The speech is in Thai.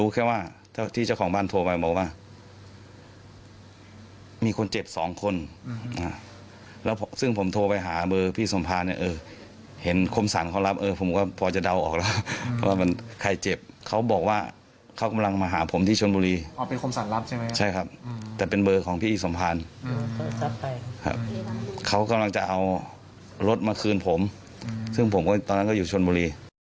เขากำลังจะเอารถมาคืนผมซึ่งผมตอนนั้นก็อยู่ชนบุรี